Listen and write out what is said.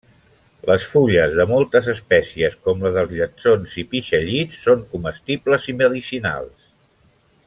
Les fulles de moltes espècies, com les dels lletsons i pixallits són comestibles i medicinals.